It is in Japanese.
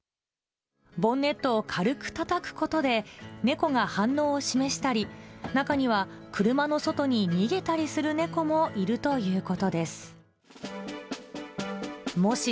ボンネットを軽くたたくことで、猫が反応を示したり、中には車の外に逃げたりする猫もいるということです。